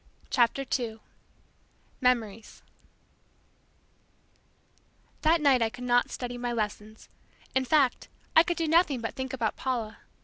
CHAPTER TWO MEMORIES That night I could not study my lessons. In fact, I could do nothing but think about Paula!